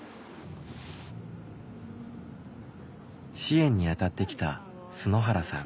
支援にあたってきた春原さん。